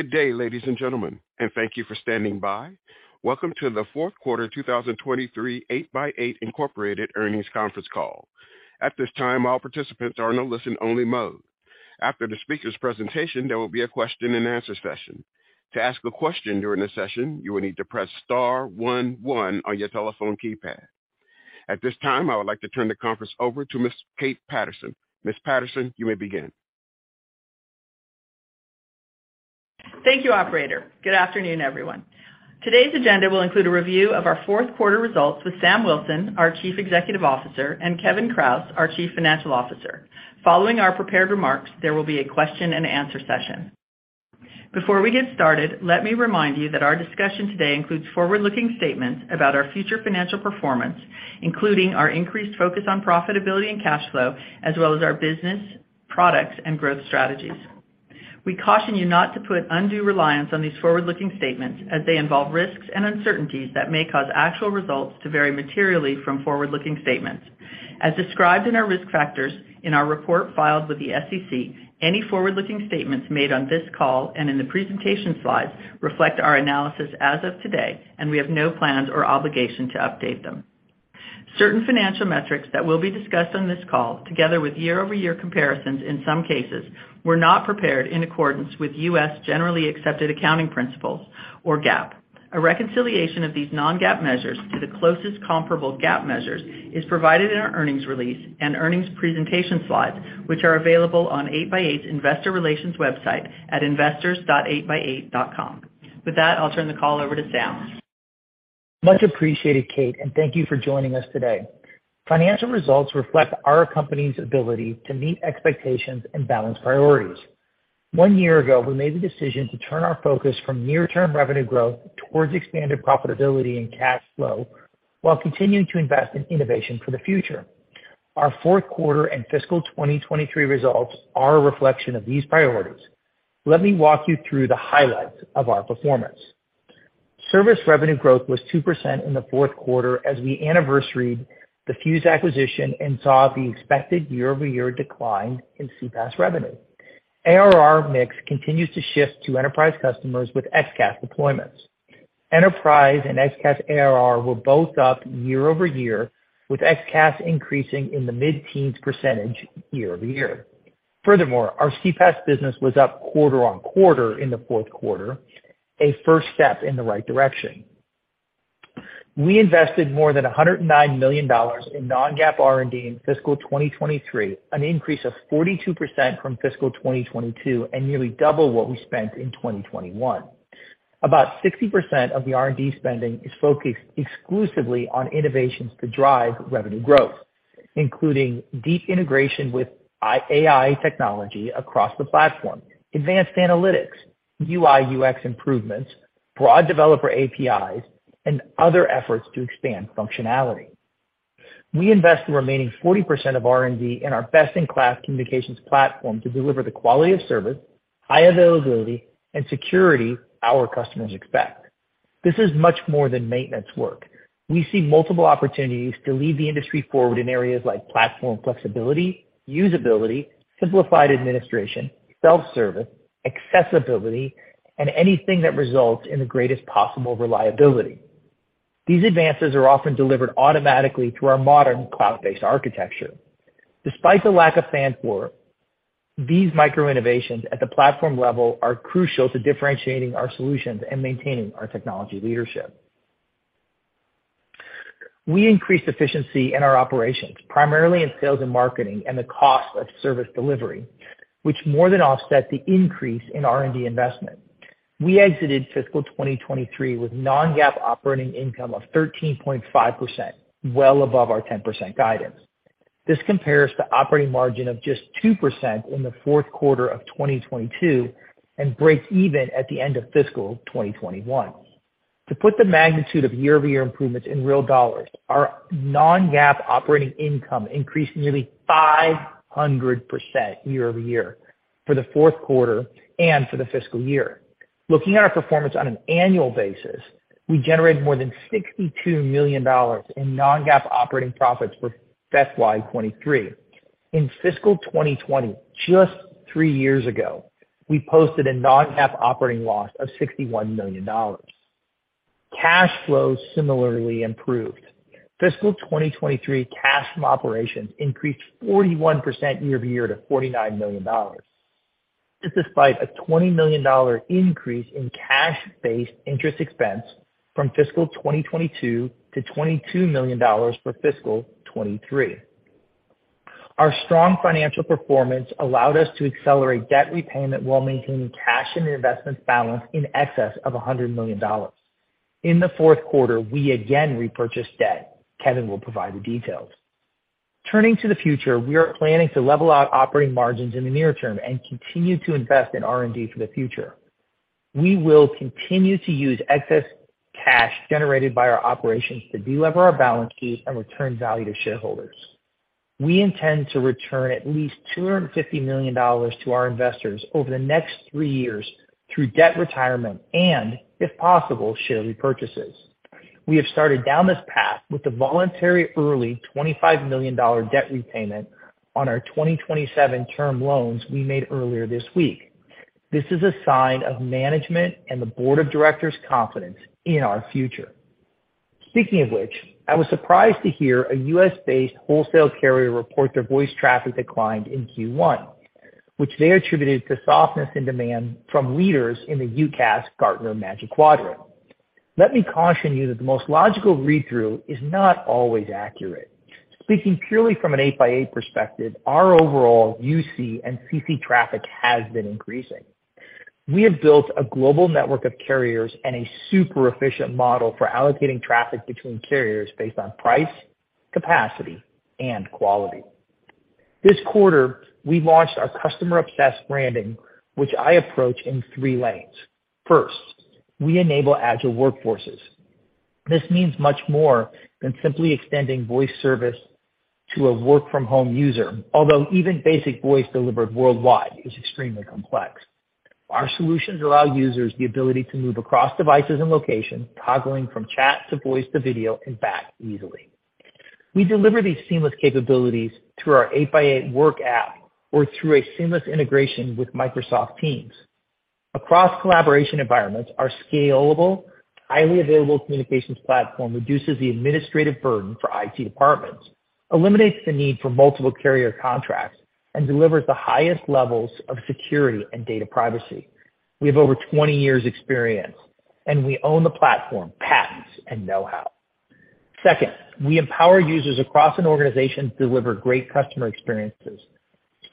Good day, ladies and gentlemen, and thank you for standing by. Welcome to the fourth quarter 2023, 8x8, Inc earnings conference call. At this time, all participants are in a listen-only mode. After the speaker's presentation, there will be a question-and-answer session. To ask a question during the session, you will need to press star one one on your telephone keypad. At this time, I would like to turn the conference over to Ms. Kate Patterson. Ms. Patterson, you may begin. Thank you, operator. Good afternoon, everyone. Today's agenda will include a review of our fourth quarter results with Sam Wilson, our Chief Executive Officer, and Kevin Kraus, our Chief Financial Officer. Following our prepared remarks, there will be a question-and-answer session. Before we get started, let me remind you that our discussion today includes forward-looking statements about our future financial performance, including our increased focus on profitability and cash flow, as well as our business, products, and growth strategies. We caution you not to put undue reliance on these forward-looking statements as they involve risks and uncertainties that may cause actual results to vary materially from forward-looking statements. As described in our risk factors in our report filed with the SEC, any forward-looking statements made on this call and in the presentation slides reflect our analysis as of today, and we have no plans or obligation to update them. Certain financial metrics that will be discussed on this call, together with year-over-year comparisons in some cases, were not prepared in accordance with U.S. generally accepted accounting principles, or GAAP. A reconciliation of these non-GAAP measures to the closest comparable GAAP measures is provided in our earnings release and earnings presentation slides, which are available on 8x8's investor relations website at investors.8x8.com. With that, I'll turn the call over to Sam. Much appreciated, Kate. Thank you for joining us today. Financial results reflect our company's ability to meet expectations and balance priorities. One year ago, we made the decision to turn our focus from near-term revenue growth towards expanded profitability and cash flow while continuing to invest in innovation for the future. Our fourth quarter and fiscal 2023 results are a reflection of these priorities. Let me walk you through the highlights of our performance. Service revenue growth was 2% in the fourth quarter as we anniversaried the Fuze acquisition and saw the expected year-over-year decline in CPaaS revenue. ARR mix continues to shift to enterprise customers with XCaaS deployments. Enterprise and XCaaS ARR were both up year-over-year, with XCaaS increasing in the mid-teens percentage year-over-year. Furthermore, our CPaaS business was up quarter-over-quarter in the fourth quarter, a first step in the right direction. We invested more than $109 million in non-GAAP R&D in fiscal 2023, an increase of 42% from fiscal 2022 and nearly double what we spent in 2021. About 60% of the R&D spending is focused exclusively on innovations to drive revenue growth, including deep integration with AI technology across the platform, advanced analytics, UI/UX improvements, broad developer APIs, and other efforts to expand functionality. We invest the remaining 40% of R&D in our best-in-class communications platform to deliver the quality of service, high availability, and security our customers expect. This is much more than maintenance work. We see multiple opportunities to lead the industry forward in areas like platform flexibility, usability, simplified administration, self-service, accessibility, and anything that results in the greatest possible reliability. These advances are often delivered automatically through our modern cloud-based architecture. Despite the lack of fanfare, these micro-innovations at the platform level are crucial to differentiating our solutions and maintaining our technology leadership. We increased efficiency in our operations, primarily in sales and marketing and the cost of service delivery, which more than offset the increase in R&D investment. We exited fiscal 2023 with non-GAAP operating income of 13.5%, well above our 10% guidance. This compares to operating margin of just 2% in the fourth quarter of 2022 and breaks even at the end of fiscal 2021. To put the magnitude of year-over-year improvements in real dollars, our non-GAAP operating income increased nearly 500% year-over-year for the fourth quarter and for the fiscal year. Looking at our performance on an annual basis, we generated more than $62 million in non-GAAP operating profits for FY 2023. In fiscal 2020, just three years ago, we posted a non-GAAP operating loss of $61 million. Cash flow similarly improved. Fiscal 2023 cash from operations increased 41% year-over-year to $49 million. This despite a $20 million increase in cash-based interest expense from fiscal 2022 to $22 million for fiscal 2023. Our strong financial performance allowed us to accelerate debt repayment while maintaining cash and investments balance in excess of $100 million. In the fourth quarter, we again repurchased debt. Kevin will provide the details. Turning to the future, we are planning to level out operating margins in the near term and continue to invest in R&D for the future. We will continue to use excess cash generated by our operations to delever our balance sheet and return value to shareholders. We intend to return at least $250 million to our investors over the next three years through debt retirement and, if possible, share repurchases. We have started down this path with the voluntary early $25 million debt repayment on our 2027 term loans we made earlier this week. This is a sign of management and the board of directors' confidence in our future. Speaking of which, I was surprised to hear a U.S.-based wholesale carrier report their voice traffic declined in Q1, which they attributed to softness and demand from leaders in the UCaaS, Gartner, Magic Quadrant. Let me caution you that the most logical read-through is not always accurate. Speaking purely from an 8x8 perspective, our overall UC and CC traffic has been increasing. We have built a global network of carriers and a super efficient model for allocating traffic between carriers based on price, capacity, and quality. This quarter, we launched our customer-obsessed branding, which I approach in three lanes. First, we enable agile workforces. This means much more than simply extending voice service to a work-from-home user, although even basic voice delivered worldwide is extremely complex. Our solutions allow users the ability to move across devices and locations, toggling from chat to voice to video and back easily. We deliver these seamless capabilities through our 8x8 Work app or through a seamless integration with Microsoft Teams. Across collaboration environments, our scalable, highly available communications platform reduces the administrative burden for IT departments, eliminates the need for multiple carrier contracts, and delivers the highest levels of security and data privacy. We have over 20 years experience, we own the platform patents and know-how. Second, we empower users across an organization to deliver great customer experiences.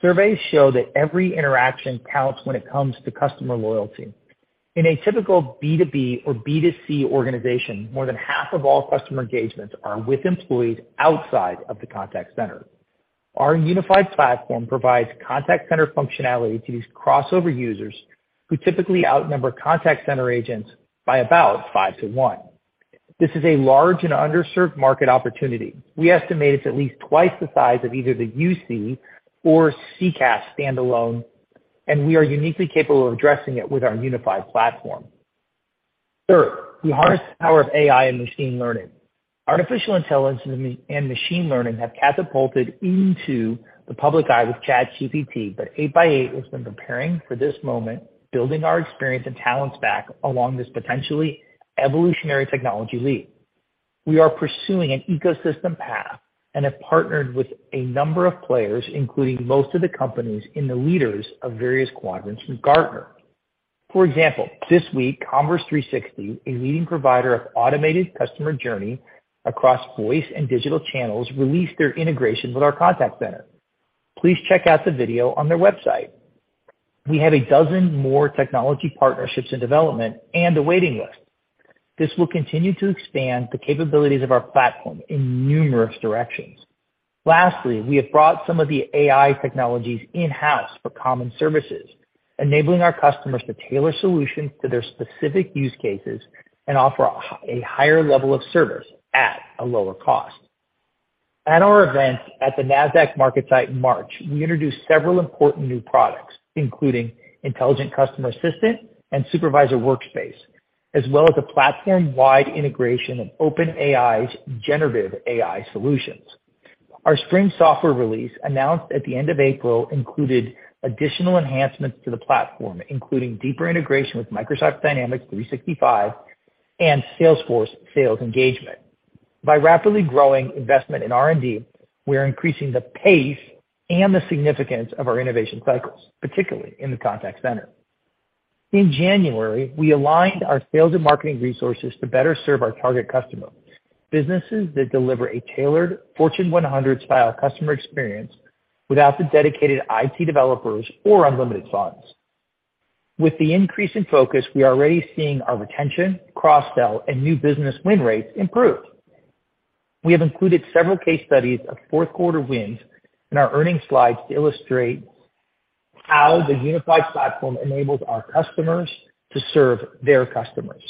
Surveys show that every interaction counts when it comes to customer loyalty. In a typical B2B or B2C organization, more than half of all customer engagements are with employees outside of the contact center. Our unified platform provides contact center functionality to these crossover users who typically outnumber contact center agents by about 5:1. This is a large and underserved market opportunity. We estimate it's at least twice the size of either the UC or CCaaS standalone, and we are uniquely capable of addressing it with our unified platform. Third, we harness the power of AI and machine learning. Artificial intelligence and machine learning have catapulted into the public eye with ChatGPT. 8x8 has been preparing for this moment, building our experience and talents back along this potentially evolutionary technology leap. We are pursuing an ecosystem path and have partnered with a number of players, including most of the companies in the leaders of various quadrants from Gartner. For example, this week, converse360, a leading provider of automated customer journey across voice and digital channels, released their integration with our contact center. Please check out the video on their website. We have 12 more technology partnerships in development and a waiting list. This will continue to expand the capabilities of our platform in numerous directions. Lastly, we have brought some of the AI technologies in-house for common services, enabling our customers to tailor solutions to their specific use cases and offer a higher level of service at a lower cost. At our event at the Nasdaq MarketSite in March, we introduced several important new products, including Intelligent Customer Assistant and Supervisor Workspace, as well as a platform-wide integration of OpenAI's generative AI solutions. Our spring software release, announced at the end of April, included additional enhancements to the platform, including deeper integration with Microsoft Dynamics 365 and Salesforce Sales Engagement. By rapidly growing investment in R&D, we are increasing the pace and the significance of our innovation cycles, particularly in the contact center. In January, we aligned our sales and marketing resources to better serve our target customers, businesses that deliver a tailored Fortune 100 style customer experience without the dedicated IT developers or unlimited funds. With the increase in focus, we are already seeing our retention, cross-sell, and new business win rates improve. We have included several case studies of fourth-quarter wins in our earnings slides to illustrate how the unified platform enables our customers to serve their customers.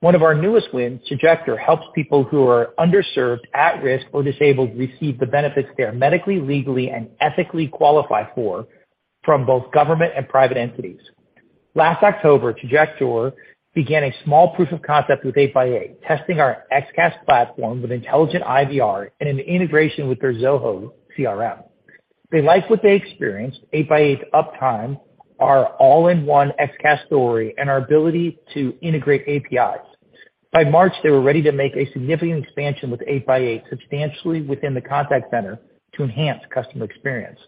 One of our newest wins, Trajector, helps people who are underserved, at risk, or disabled receive the benefits they are medically, legally, and ethically qualified for from both government and private entities. Last October, Trajector began a small proof of concept with 8x8, testing our XCaaS platform with intelligent IVR and an integration with their Zoho CRM. They liked what they experienced, 8x8's uptime, our all-in-one XCaaS story, and our ability to integrate APIs. By March, they were ready to make a significant expansion with 8x8, substantially within the contact center to enhance customer experience.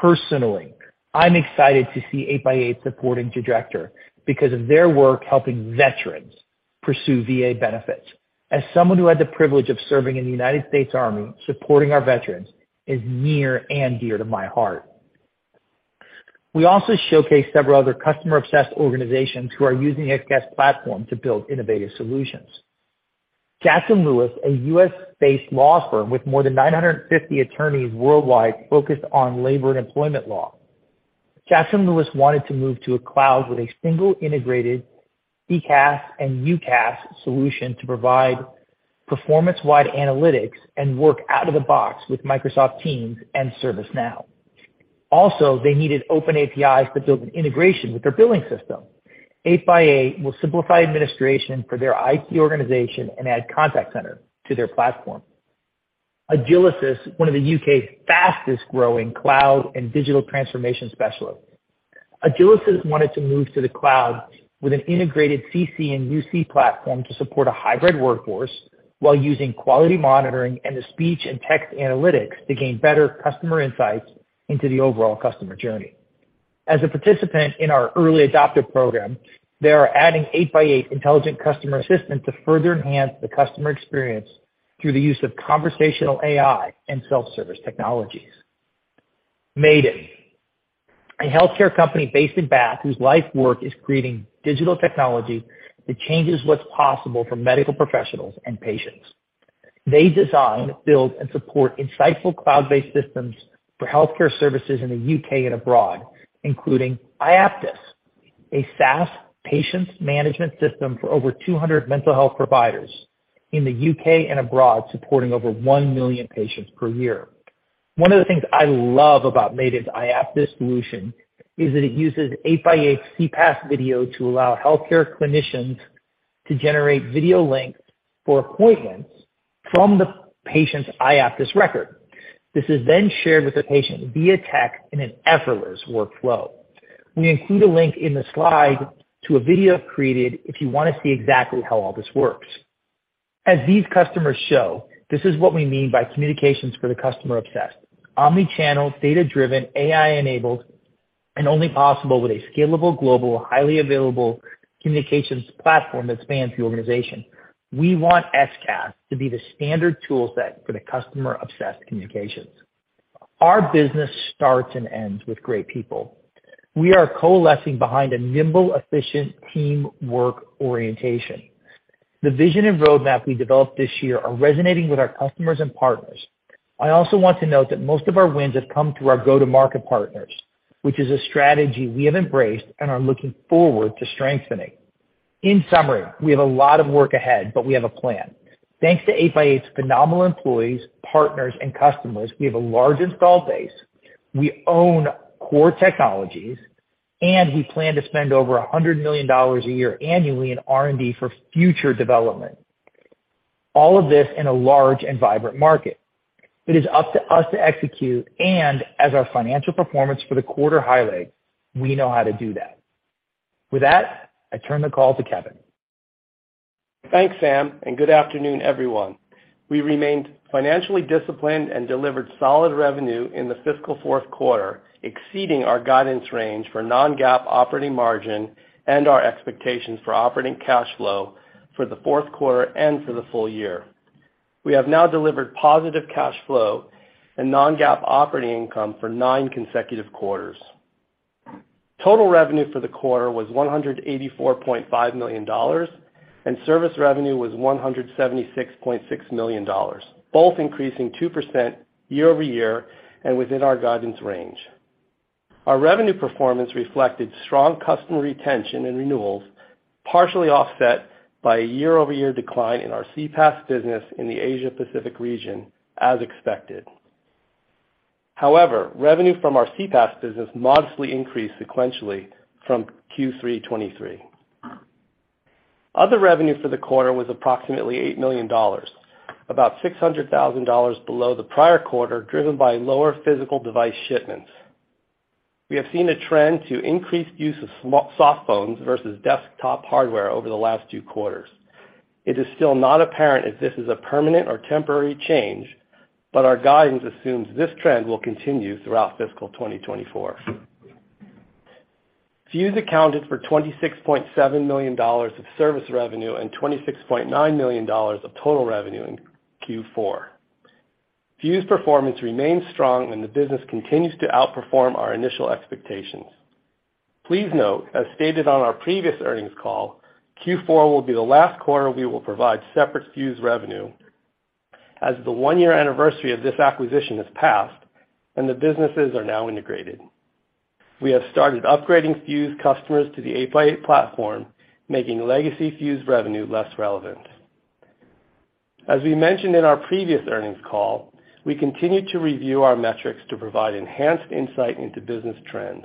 Personally, I'm excited to see 8x8 supporting Trajector because of their work helping veterans pursue VA benefits. As someone who had the privilege of serving in the United States Army, supporting our veterans is near and dear to my heart. We also showcase several other customer-obsessed organizations who are using XCaaS platform to build innovative solutions. Jackson Lewis, a U.S.-based law firm with more than 950 attorneys worldwide focused on labor and employment law. Jackson Lewis wanted to move to a cloud with a single integrated CCaaS and UCaaS solution to provide performance-wide analytics and work out of the box with Microsoft Teams and ServiceNow. They needed open APIs to build an integration with their billing system. 8x8 will simplify administration for their IT organization and add contact center to their platform. Agilisys, one of the U.K.'s fastest-growing cloud and digital transformation specialists. Agilisys wanted to move to the cloud with an integrated CC and UC platform to support a hybrid workforce while using quality monitoring and the speech and text analytics to gain better customer insights into the overall customer journey. As a participant in our early adopter program, they are adding 8x8 Intelligent Customer Assistant to further enhance the customer experience through the use of conversational AI and self-service technologies. Mayden, a healthcare company based in Bath whose life work is creating digital technology that changes what's possible for medical professionals and patients. They design, build, and support insightful cloud-based systems for healthcare services in the U.K. and abroad, including iaptus, a SaaS patients management system for over 200 mental health providers in the U.K. and abroad, supporting over 1 million patients per year. One of the things I love about Mayden's iaptus solution is that it uses 8x8 CPaaS Video to allow healthcare clinicians to generate video links for appointments from the patient's iaptus record. This is then shared with the patient via text in an effortless workflow. We include a link in the slide to a video created if you want to see exactly how all this works. As these customers show, this is what we mean by communications for the customer obsessed. Omnichannel, data-driven, AI-enabled, only possible with a scalable, global, highly available communications platform that spans the organization. We want XCaaS to be the standard tool set for the customer-obsessed communications. Our business starts and ends with great people. We are coalescing behind a nimble, efficient teamwork orientation. The vision and roadmap we developed this year are resonating with our customers and partners. I also want to note that most of our wins have come through our go-to-market partners, which is a strategy we have embraced and are looking forward to strengthening. In summary, we have a lot of work ahead. We have a plan. Thanks to 8x8's phenomenal employees, partners, and customers, we have a large installed base. We own core technologies. We plan to spend over $100 million a year annually in R&D for future development. All of this in a large and vibrant market. It is up to us to execute. As our financial performance for the quarter highlights, we know how to do that. With that, I turn the call to Kevin. Thanks, Sam. Good afternoon, everyone. We remained financially disciplined and delivered solid revenue in the fiscal fourth quarter, exceeding our guidance range for non-GAAP operating margin and our expectations for operating cash flow for the fourth quarter and for the full year. We have now delivered positive cash flow and non-GAAP operating income for nine consecutive quarters. Total revenue for the quarter was $184.5 million, and service revenue was $176.6 million, both increasing 2% year-over-year and within our guidance range. Our revenue performance reflected strong customer retention and renewals, partially offset by a year-over-year decline in our CPaaS business in the Asia Pacific region, as expected. Revenue from our CPaaS business modestly increased sequentially from Q3 2023. Other revenue for the quarter was approximately $8 million, about $600,000 below the prior quarter, driven by lower physical device shipments. We have seen a trend to increased use of soft phones versus desktop hardware over the last two quarters. It is still not apparent if this is a permanent or temporary change, but our guidance assumes this trend will continue throughout fiscal 2024. Fuze accounted for $26.7 million of service revenue and $26.9 million of total revenue in Q4. Fuze performance remains strong, and the business continues to outperform our initial expectations. Please note, as stated on our previous earnings call, Q4 will be the last quarter we will provide separate Fuze revenue, as the one-year anniversary of this acquisition has passed and the businesses are now integrated. We have started upgrading Fuze customers to the 8x8 platform, making legacy Fuze revenue less relevant. As we mentioned in our previous earnings call, we continue to review our metrics to provide enhanced insight into business trends.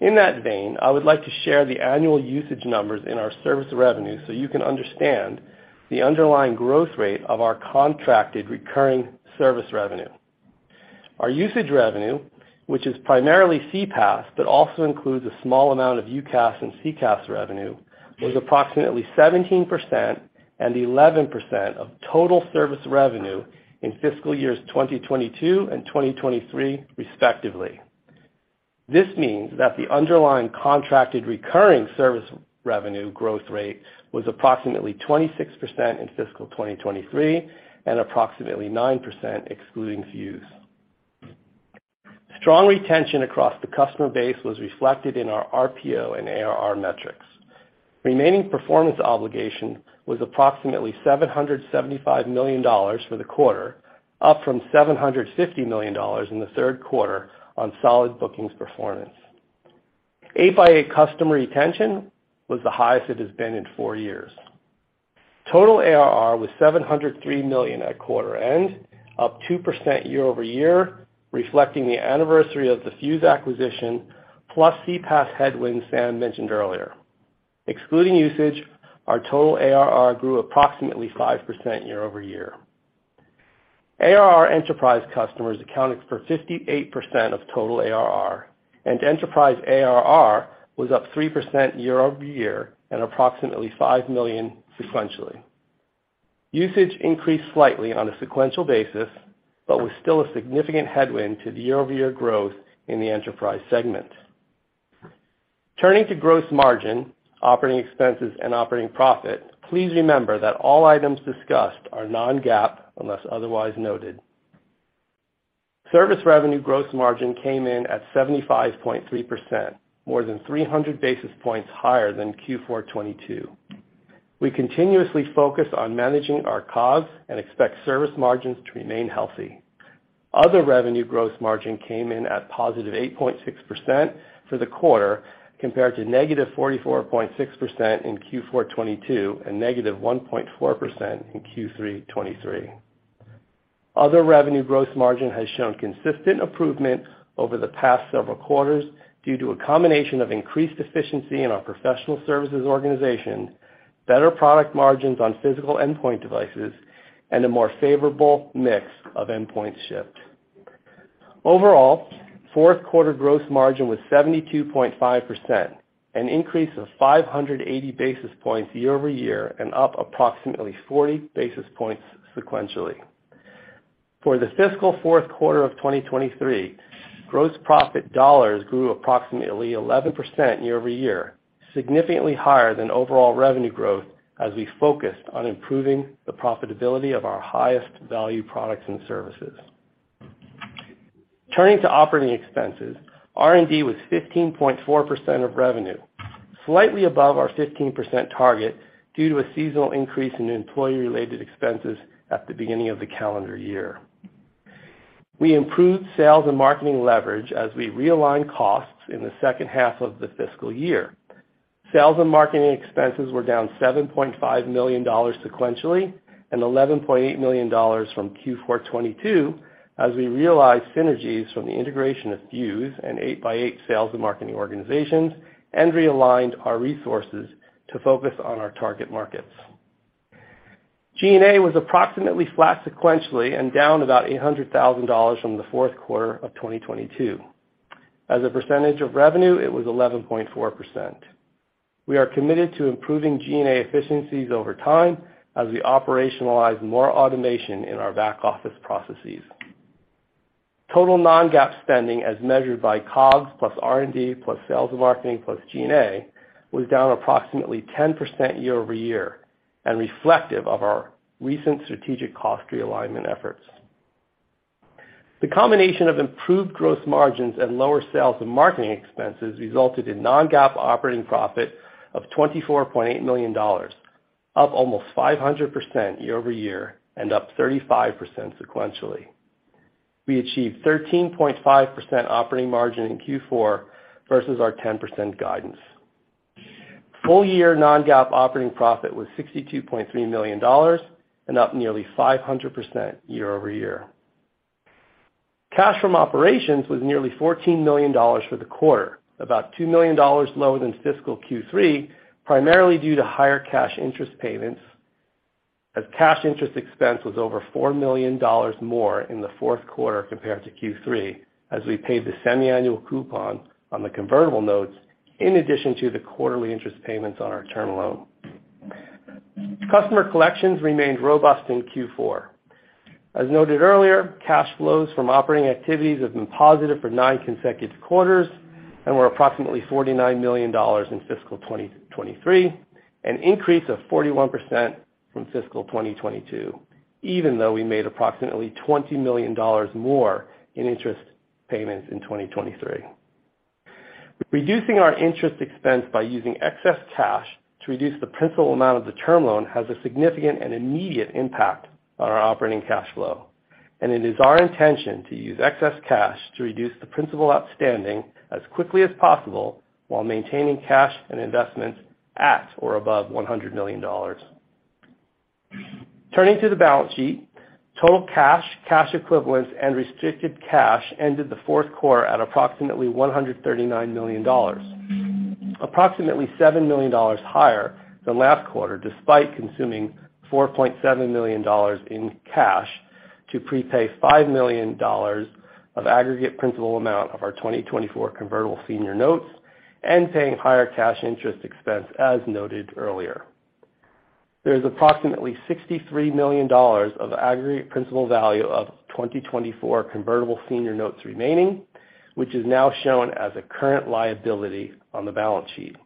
In that vein, I would like to share the annual usage numbers in our service revenue so you can understand the underlying growth rate of our contracted recurring service revenue. Our usage revenue, which is primarily CPaaS, but also includes a small amount of UCaaS and CCaaS revenue, was approximately 17% and 11% of total service revenue in fiscal years 2022 and 2023, respectively. This means that the underlying contracted recurring service revenue growth rate was approximately 26% in fiscal 2023 and approximately 9% excluding Fuze. Strong retention across the customer base was reflected in our RPO and ARR metrics. Remaining performance obligation was approximately $775 million for the quarter, up from $750 million in the third quarter on solid bookings performance. 8x8 customer retention was the highest it has been in four years. Total ARR was $703 million at quarter end, up 2% year-over-year, reflecting the anniversary of the Fuze acquisition, plus CPaaS headwinds Sam mentioned earlier. Excluding usage, our total ARR grew approximately 5% year-over-year. ARR enterprise customers accounted for 58% of total ARR. Enterprise ARR was up 3% year-over-year at approximately $5 million sequentially. Usage increased slightly on a sequential basis, was still a significant headwind to the year-over-year growth in the Enterprise segment. Turning to gross margin, operating expenses, and operating profit, please remember that all items discussed are non-GAAP, unless otherwise noted. Service revenue gross margin came in at 75.3%, more than 300 basis points higher than Q4 2022. We continuously focus on managing our costs and expect service margins to remain healthy. Other revenue gross margin came in at positive 8.6% for the quarter compared to -44.6% in Q4 2022 and -1.4% in Q3 2023. Other revenue gross margin has shown consistent improvement over the past several quarters due to a combination of increased efficiency in our professional services organization, better product margins on physical endpoint devices, and a more favorable mix of endpoints shipped. Overall, fourth quarter gross margin was 72.5%, an increase of 580 basis points year-over-year and up approximately 40 basis points sequentially. For the fiscal fourth quarter of 2023, gross profit dollars grew approximately 11% year-over-year, significantly higher than overall revenue growth as we focused on improving the profitability of our highest value products and services. Turning to operating expenses, R&D was 15.4% of revenue, slightly above our 15% target due to a seasonal increase in employee-related expenses at the beginning of the calendar year. We improved sales and marketing leverage as we realigned costs in the second half of the fiscal year. Sales and marketing expenses were down $7.5 million sequentially and $11.8 million from Q4 2022 as we realized synergies from the integration of Fuze and 8x8 sales and marketing organizations and realigned our resources to focus on our target markets. G&A was approximately flat sequentially and down about $800,000 from the fourth quarter of 2022. As a percentage of revenue, it was 11.4%. We are committed to improving G&A efficiencies over time as we operationalize more automation in our back-office processes. Total non-GAAP spending as measured by COGS plus R&D, plus sales and marketing, plus G&A was down approximately 10% year-over-year and reflective of our recent strategic cost realignment efforts. The combination of improved gross margins and lower sales and marketing expenses resulted in non-GAAP operating profit of $24.8 million, up almost 500% year-over-year and up 35% sequentially. We achieved 13.5% operating margin in Q4 versus our 10% guidance. Full year non-GAAP operating profit was $62.3 million and up nearly 500% year-over-year. Cash from operations was nearly $14 million for the quarter, about $2 million lower than fiscal Q3, primarily due to higher cash interest payments, as cash interest expense was over $4 million more in the fourth quarter compared to Q3 as we paid the semiannual coupon on the convertible notes in addition to the quarterly interest payments on our term loan. Customer collections remained robust in Q4. As noted earlier, cash flows from operating activities have been positive for nine consecutive quarters and were approximately $49 million in fiscal 2023, an increase of 41% from fiscal 2022, even though we made approximately $20 million more in interest payments in 2023. Reducing our interest expense by using excess cash to reduce the principal amount of the term loan has a significant and immediate impact on our operating cash flow, and it is our intention to use excess cash to reduce the principal outstanding as quickly as possible while maintaining cash and investments at or above $100 million. Turning to the balance sheet, total cash equivalents, and restricted cash ended the fourth quarter at approximately $139 million, approximately $7 million higher than last quarter, despite consuming $4.7 million in cash to prepay $5 million of aggregate principal amount of our 2024 convertible senior notes and paying higher cash interest expense as noted earlier. There is approximately $63 million of aggregate principal value of 2024 convertible senior notes remaining, which is now shown as a current liability on the balance sheet.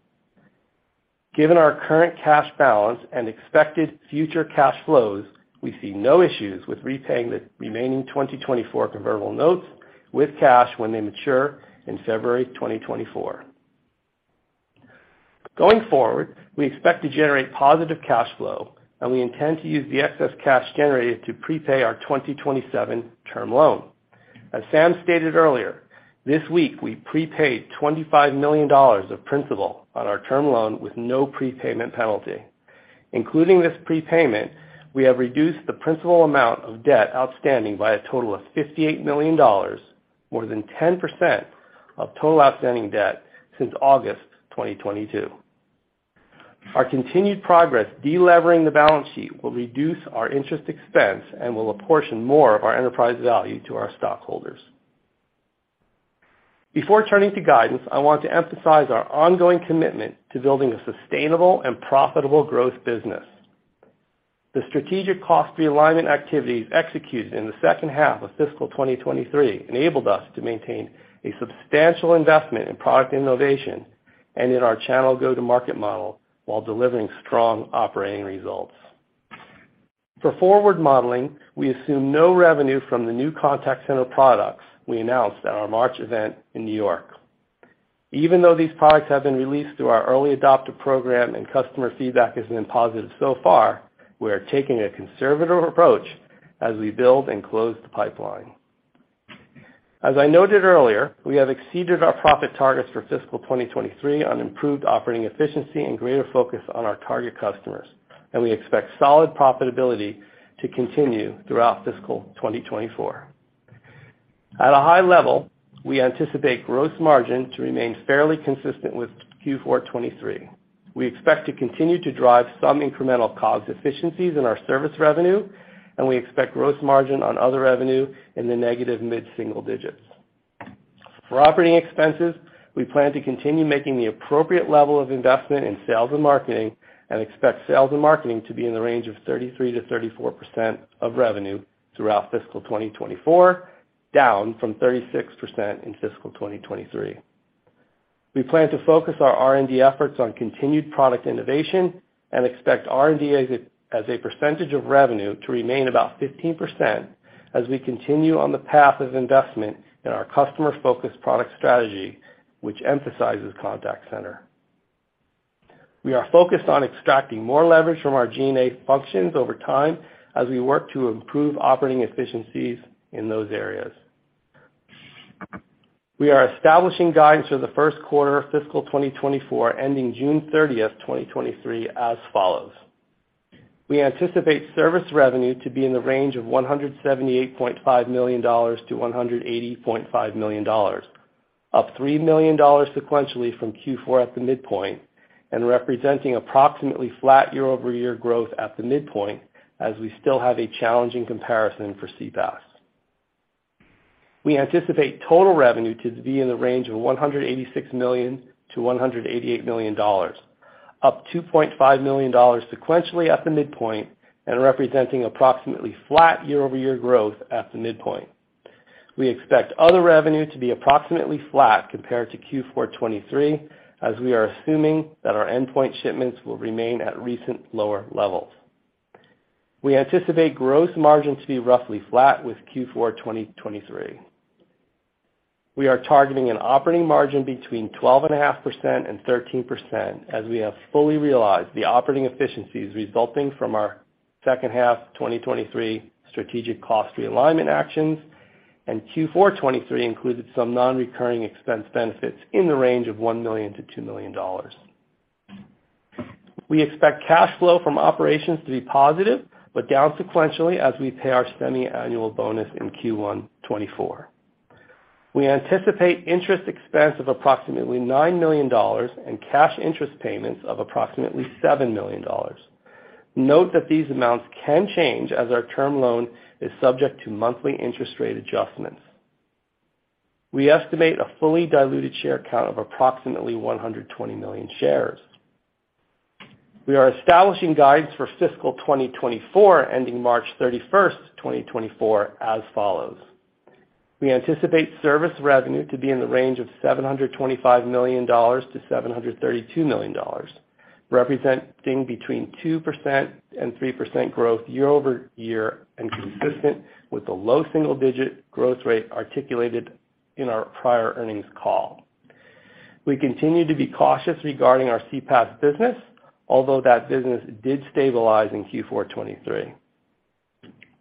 Given our current cash balance and expected future cash flows, we see no issues with repaying the remaining 2024 convertible notes with cash when they mature in February 2024. Going forward, we expect to generate positive cash flow, and we intend to use the excess cash generated to prepay our 2027 term loan. As Sam stated earlier, this week, we prepaid $25 million of principal on our term loan with no prepayment penalty. Including this prepayment, we have reduced the principal amount of debt outstanding by a total of $58 million, more than 10% of total outstanding debt since August 2022. Our continued progress de-levering the balance sheet will reduce our interest expense and will apportion more of our enterprise value to our stockholders. Before turning to guidance, I want to emphasize our ongoing commitment to building a sustainable and profitable growth business. The strategic cost realignment activities executed in the second half of fiscal 2023 enabled us to maintain a substantial investment in product innovation and in our channel go-to-market model while delivering strong operating results. For forward modeling, we assume no revenue from the new contact center products we announced at our March event in New York. Even though these products have been released through our early adopter program and customer feedback has been positive so far, we are taking a conservative approach as we build and close the pipeline. As I noted earlier, we have exceeded our profit targets for fiscal 2023 on improved operating efficiency and greater focus on our target customers. We expect solid profitability to continue throughout fiscal 2024. At a high level, we anticipate gross margin to remain fairly consistent with Q4 2023. We expect to continue to drive some incremental cost efficiencies in our service revenue. We expect gross margin on other revenue in the negative mid-single digits. For operating expenses, we plan to continue making the appropriate level of investment in sales and marketing and expect sales and marketing to be in the range of 33%-34% of revenue throughout fiscal 2024, down from 36% in fiscal 2023. We plan to focus our R&D efforts on continued product innovation and expect R&D as a percentage of revenue to remain about 15% as we continue on the path of investment in our customer-focused product strategy, which emphasizes contact center. We are focused on extracting more leverage from our G&A functions over time as we work to improve operating efficiencies in those areas. We are establishing guidance for the first quarter of fiscal 2024, ending June 30, 2023 as follows. We anticipate service revenue to be in the range of $178.5 million-$180.5 million, up $3 million sequentially from Q4 at the midpoint, representing approximately flat year-over-year growth at the midpoint as we still have a challenging comparison for CPaaS. We anticipate total revenue to be in the range of $186 million-$188 million, up $2.5 million sequentially at the midpoint representing approximately flat year-over-year growth at the midpoint. We expect other revenue to be approximately flat compared to Q4 2023, as we are assuming that our endpoint shipments will remain at recent lower levels. We anticipate gross margin to be roughly flat with Q4 2023. We are targeting an operating margin between 12.5% and 13%, as we have fully realized the operating efficiencies resulting from our second half of 2023 strategic cost realignment actions, and Q4 2023 included some non-recurring expense benefits in the range of $1 million-$2 million. We expect cash flow from operations to be positive, but down sequentially as we pay our semiannual bonus in Q1 2024. We anticipate interest expense of approximately $9 million and cash interest payments of approximately $7 million. Note that these amounts can change as our term loan is subject to monthly interest rate adjustments. We estimate a fully diluted share count of approximately 120 million shares. We are establishing guidance for fiscal 2024, ending March 31, 2024 as follows. We anticipate service revenue to be in the range of $725 million-$732 million, representing between 2% and 3% growth year-over-year and consistent with the low single-digit growth rate articulated in our prior earnings call. We continue to be cautious regarding our CPaaS business, although that business did stabilize in Q4 2023.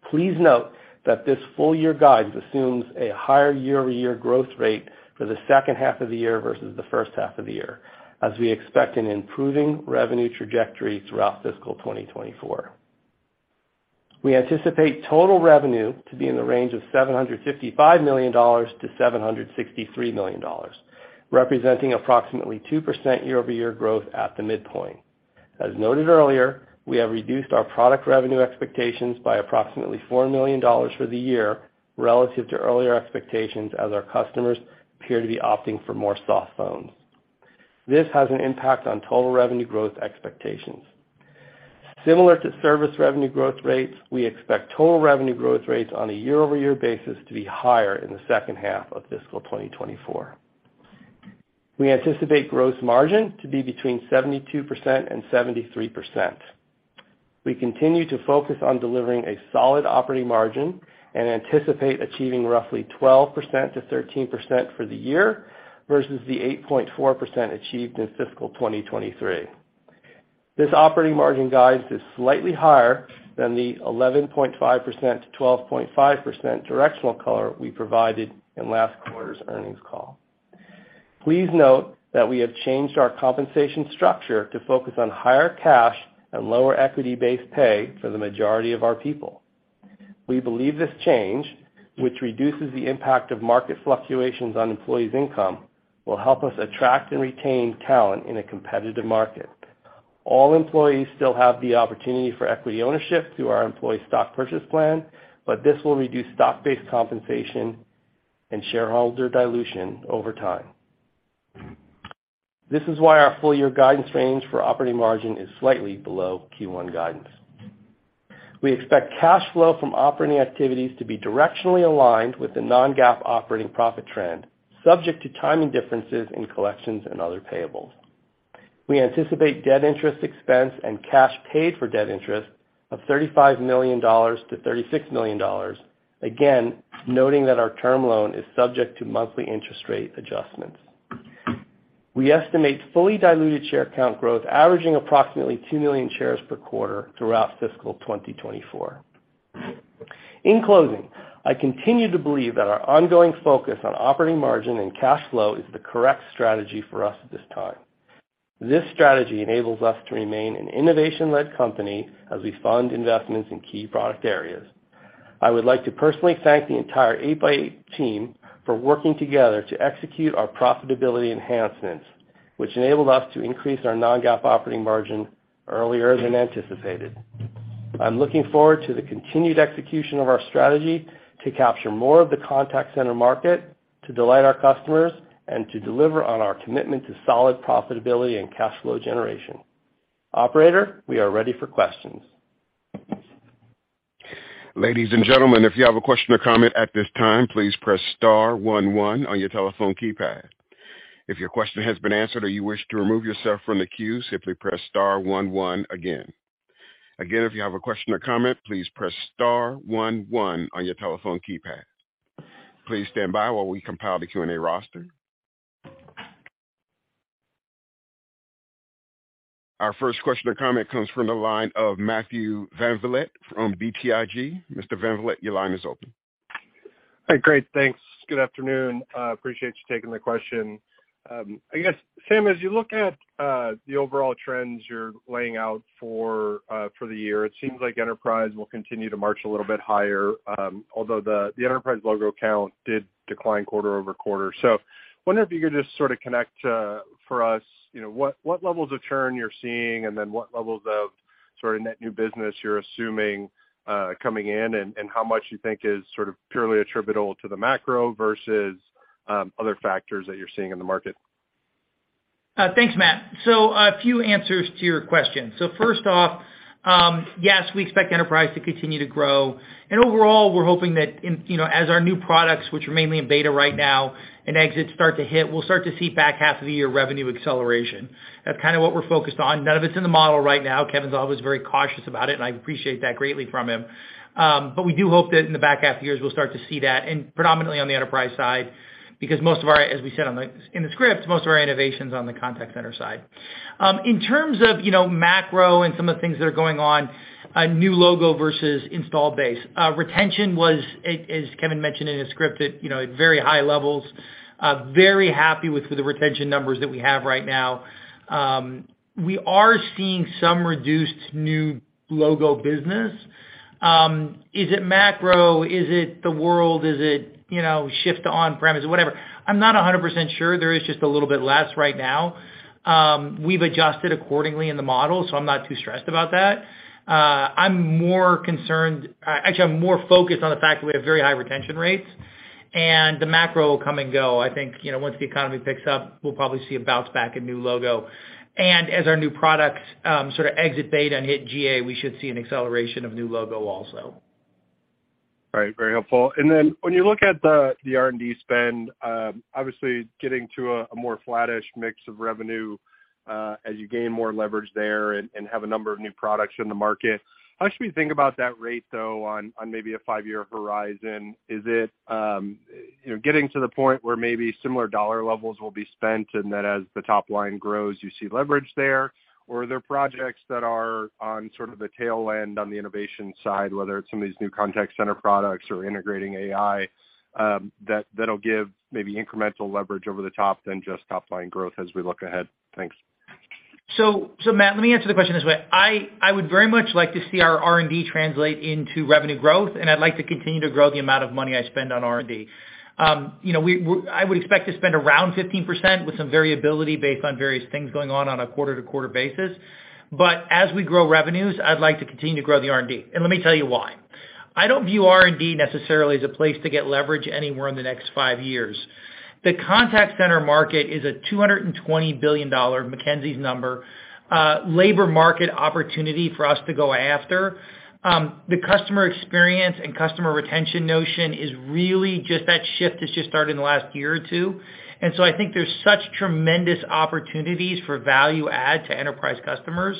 Please note that this full-year guidance assumes a higher year-over-year growth rate for the second half of the year versus the first half of the year, as we expect an improving revenue trajectory throughout fiscal 2024. We anticipate total revenue to be in the range of $755 million-$763 million, representing approximately 2% year-over-year growth at the midpoint. As noted earlier, we have reduced our product revenue expectations by approximately $4 million for the year relative to earlier expectations as our customers appear to be opting for more softphones. This has an impact on total revenue growth expectations. Similar to service revenue growth rates, we expect total revenue growth rates on a year-over-year basis to be higher in the second half of fiscal 2024. We anticipate gross margin to be between 72% and 73%. We continue to focus on delivering a solid operating margin and anticipate achieving roughly 12% to 13% for the year versus the 8.4% achieved in fiscal 2023. This operating margin guidance is slightly higher than the 11.5% to 12.5% directional color we provided in last quarter's earnings call. Please note that we have changed our compensation structure to focus on higher cash and lower equity-based pay for the majority of our people. We believe this change, which reduces the impact of market fluctuations on employees' income, will help us attract and retain talent in a competitive market. All employees still have the opportunity for equity ownership through our employee stock purchase plan, but this will reduce stock-based compensation and shareholder dilution over time. This is why our full year guidance range for operating margin is slightly below Q1 guidance. We expect cash flow from operating activities to be directionally aligned with the non-GAAP operating profit trend, subject to timing differences in collections and other payables. We anticipate debt interest expense and cash paid for debt interest of $35 million-$36 million, again, noting that our term loan is subject to monthly interest rate adjustments. We estimate fully diluted share count growth averaging approximately 2 million shares per quarter throughout fiscal 2024. In closing, I continue to believe that our ongoing focus on operating margin and cash flow is the correct strategy for us at this time. This strategy enables us to remain an innovation-led company as we fund investments in key product areas. I would like to personally thank the entire 8x8 team for working together to execute our profitability enhancements, which enabled us to increase our non-GAAP operating margin earlier than anticipated. I'm looking forward to the continued execution of our strategy to capture more of the contact center market, to delight our customers, and to deliver on our commitment to solid profitability and cash flow generation. Operator, we are ready for questions. Ladies and gentlemen, if you have a question or comment at this time, please press star one one on your telephone keypad. If your question has been answered or you wish to remove yourself from the queue, simply press star one one again. Again, if you have a question or comment, please press star one one on your telephone keypad. Please stand by while we compile the Q&A roster. Our first question or comment comes from the line of Matthew VanVliet from BTIG. Mr. VanVliet, your line is open. Hi. Great. Thanks. Good afternoon. Appreciate you taking the question. I guess, Sam, as you look at the overall trends you're laying out for for the year, it seems like Enterprise will continue to march a little bit higher, although the Enterprise logo count did decline quarter-over-quarter. Wondering if you could just sort of connect for us, you know, what levels of churn you're seeing, and then what levels of sort of net new business you're assuming coming in, and how much you think is sort of purely attributable to the macro versus other factors that you're seeing in the market? Thanks, Matt. A few answers to your question. First off, yes, we expect Enterprise to continue to grow. Overall, we're hoping that, you know, as our new products, which are mainly in beta right now, and exits start to hit, we'll start to see back half of the year revenue acceleration. That's kind of what we're focused on. None of it's in the model right now. Kevin's always very cautious about it, and I appreciate that greatly from him. We do hope that in the back half years, we'll start to see that and predominantly on the Enterprise side, because most of our, as we said on the, in the script, most of our innovation's on the contact center side. In terms of, you know, macro and some of the things that are going on, a new logo versus installed base, retention was as Kevin mentioned in his script, at, you know, at very high levels, very happy with the retention numbers that we have right now. We are seeing some reduced new logo business. Is it macro? Is it the world? Is it, you know, shift to on-premise, whatever. I'm not 100% sure. There is just a little bit less right now. We've adjusted accordingly in the model, so I'm not too stressed about that. I'm more concerned... actually, I'm more focused on the fact that we have very high retention rates, and the macro will come and go. I think, you know, once the economy picks up, we'll probably see a bounce back in new logo. As our new products, sort of exit beta and hit GA, we should see an acceleration of new logo also. Right. Very helpful. When you look at the R&D spend, obviously getting to a more flattish mix of revenue, as you gain more leverage there and have a number of new products in the market. How should we think about that rate, though, on a five-year horizon? Is it, you know, getting to the point where maybe similar dollar levels will be spent, and then as the top line grows, you see leverage there? Are there projects that are on sort of the tail end on the innovation side, whether it's some of these new contact center products or integrating AI, that'll give maybe incremental leverage over the top than just top line growth as we look ahead? Thanks. Matt, let me answer the question this way. I would very much like to see our R&D translate into revenue growth, and I'd like to continue to grow the amount of money I spend on R&D. you know, I would expect to spend around 15% with some variability based on various things going on on a quarter-to-quarter basis. As we grow revenues, I'd like to continue to grow the R&D, and let me tell you why. I don't view R&D necessarily as a place to get leverage anywhere in the next five years. The contact center market is a $220 billion, McKinsey's number, labor market opportunity for us to go after. The customer experience and customer retention notion is really just that shift that's just started in the last year or two. I think there's such tremendous opportunities for value add to enterprise customers.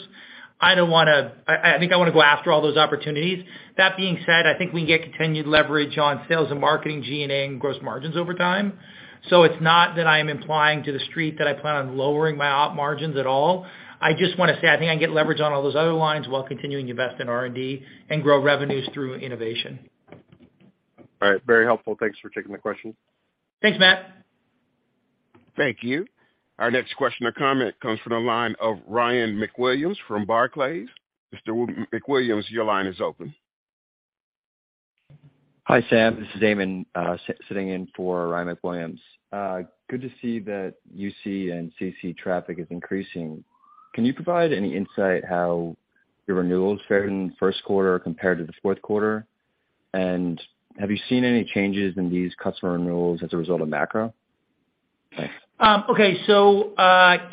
I think I wanna go after all those opportunities. That being said, I think we can get continued leverage on sales and marketing G&A and gross margins over time. It's not that I am implying to the street that I plan on lowering my op margins at all. I just wanna say I think I can get leverage on all those other lines while continuing to invest in R&D and grow revenues through innovation. All right. Very helpful. Thanks for taking the question. Thanks, Matt. Thank you. Our next question or comment comes from the line of Ryan MacWilliams from Barclays. Mr. MacWilliams, your line is open. Hi, Sam. This is Eamon, sitting in for Ryan MacWilliams. Good to see that UC and CC traffic is increasing. Can you provide any insight how your renewals fared in the first quarter compared to the fourth quarter? Have you seen any changes in these customer renewals as a result of macro? Thanks. Okay.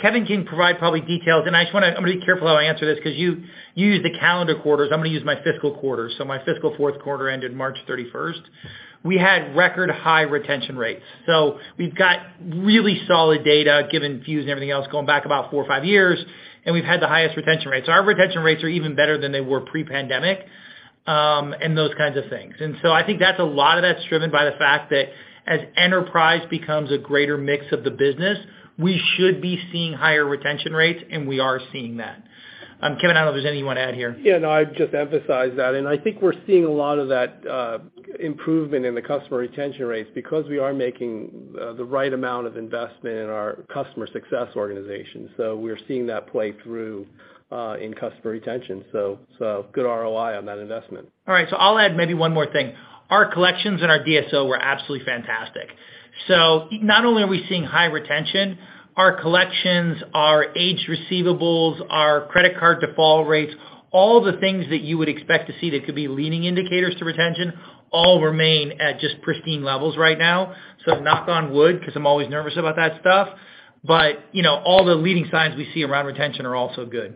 Kevin can provide probably details, and I'm gonna be careful how I answer this 'cause you use the calendar quarters, I'm gonna use my fiscal quarters. My fiscal fourth quarter ended March 31st. We had record high retention rates. We've got really solid data given Fuze and everything else going back about four or five years, and we've had the highest retention rates. Our retention rates are even better than they were pre-pandemic, and those kinds of things. I think that's a lot of that's driven by the fact that as Enterprise becomes a greater mix of the business, we should be seeing higher retention rates, and we are seeing that. Kevin, I don't know if there's anything you wanna add here. Yeah, no. I'd just emphasize that. I think we're seeing a lot of that improvement in the customer retention rates because we are making the right amount of investment in our customer success organization. We're seeing that play through in customer retention. Good ROI on that investment. All right. I'll add maybe one more thing. Our collections and our DSO were absolutely fantastic. Not only are we seeing high retention, our collections, our age receivables, our credit card default rates, all the things that you would expect to see that could be leading indicators to retention all remain at just pristine levels right now. Knock on wood, 'cause I'm always nervous about that stuff. You know, all the leading signs we see around retention are also good.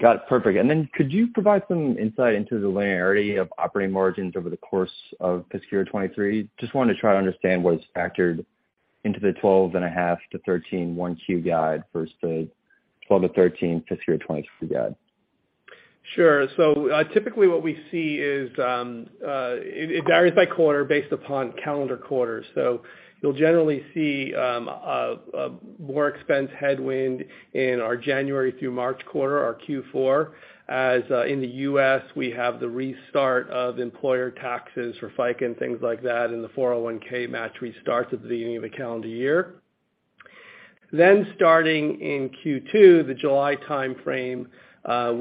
Got it. Perfect. Could you provide some insight into the linearity of operating margins over the course of fiscal 2023? Just wanted to try to understand what is factored into the 12.5%-13% 1Q guide versus the 12%-13% fiscal 2023 guide. Typically what we see is it varies by quarter based upon calendar quarters. You'll generally see more expense headwind in our January through March quarter, our Q4, as in the U.S., we have the restart of employer taxes for FICA and things like that, and the 401(k) match restarts at the beginning of the calendar year. Starting in Q2, the July timeframe,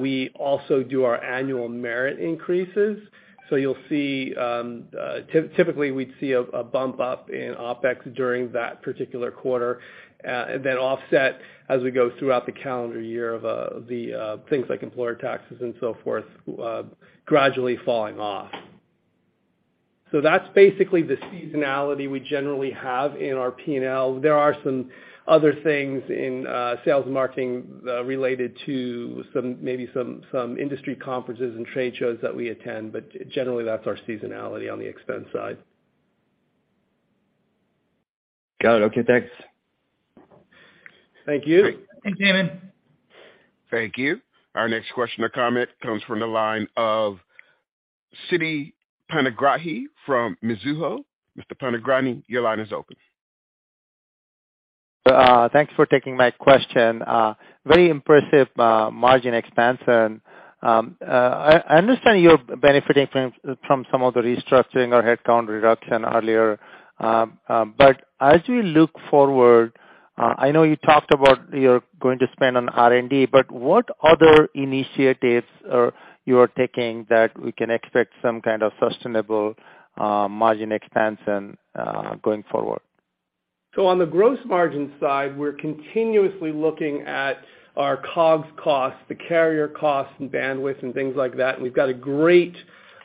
we also do our annual merit increases. You'll typically, we'd see a bump up in OpEx during that particular quarter, and then offset as we go throughout the calendar year of the things like employer taxes and so forth, gradually falling off. That's basically the seasonality we generally have in our P&L. There are some other things in sales and marketing, related to maybe some industry conferences and trade shows that we attend, but generally, that's our seasonality on the expense side. Got it. Okay, thanks. Thank you. Thanks, Eamon. Thank you. Our next question or comment comes from the line of Siti Panigrahi from Mizuho. Mr. Panigrahi, your line is open. Thanks for taking my question. Very impressive, margin expansion. I understand you're benefiting from some of the restructuring or headcount reduction earlier. As you look forward, I know you talked about you're going to spend on R&D, but what other initiatives are you taking that we can expect some kind of sustainable, margin expansion, going forward? On the gross margin side, we're continuously looking at our COGS costs, the carrier costs and bandwidth and things like that. We've got a great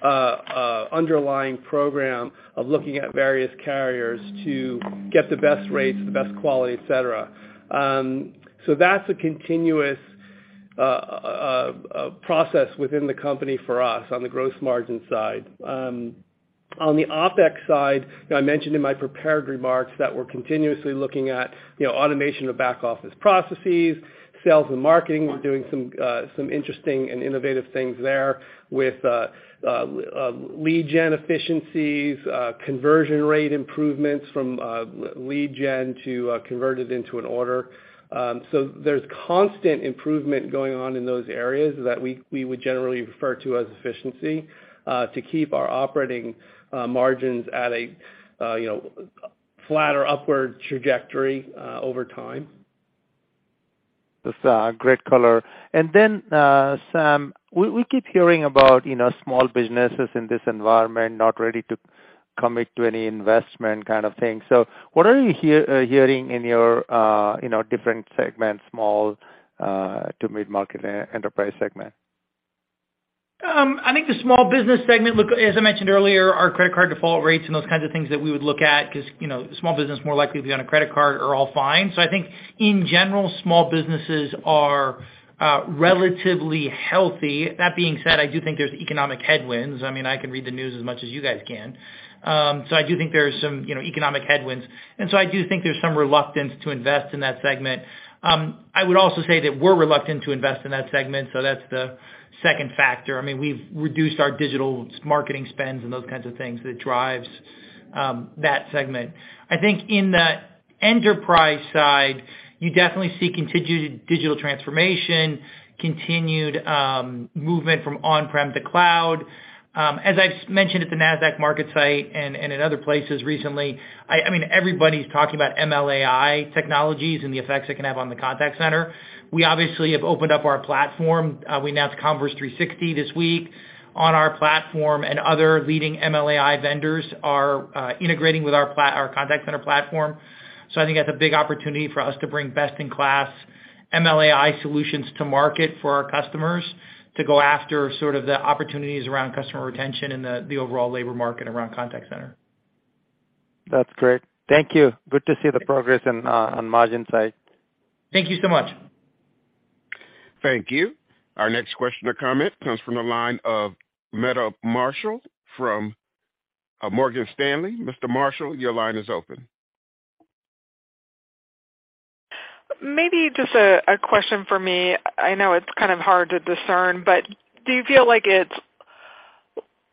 underlying program of looking at various carriers to get the best rates, the best quality, et cetera. That's a continuous process within the company for us on the gross margin side. On the OpEx side, you know, I mentioned in my prepared remarks that we're continuously looking at, you know, automation of back office processes, sales and marketing. We're doing some interesting and innovative things there with lead gen efficiencies, conversion rate improvements from lead gen to convert it into an order. There's constant improvement going on in those areas that we would generally refer to as efficiency, to keep our operating margins at a, you know, flatter upward trajectory over time. That's, great color. Sam, we keep hearing about, you know, small businesses in this environment not ready to commit to any investment kind of thing. What are you hearing in your, you know, different segments, small, to mid-market Enterprise segment? I think the small business segment, look, as I mentioned earlier, our credit card default rates and those kinds of things that we would look at because, you know, small business more likely to be on a credit card are all fine. I think in general, small businesses are relatively healthy. That being said, I do think there's economic headwinds. I mean, I can read the news as much as you guys can. I do think there's some, you know, economic headwinds. I do think there's some reluctance to invest in that segment. I would also say that we're reluctant to invest in that segment. That's the second factor. I mean, we've reduced our digital marketing spends and those kinds of things that drives that segment. I think in the enterprise side, you definitely see continued digital transformation, continued movement from on-prem to cloud. As I've mentioned at the Nasdaq MarketSite and in other places recently, I mean, everybody's talking about ML/AI technologies and the effects it can have on the contact center. We obviously have opened up our platform. We announced converse360 this week on our platform, and other leading ML/AI vendors are integrating with our contact center platform. I think that's a big opportunity for us to bring best-in-class ML/AI solutions to market for our customers to go after sort of the opportunities around customer retention and the overall labor market around contact center. That's great. Thank you. Good to see the progress on on margin side. Thank you so much. Thank you. Our next question or comment comes from the line of Meta Marshall from Morgan Stanley. Mr. Marshall, your line is open. Maybe just a question for me. I know it's kind of hard to discern, but do you feel like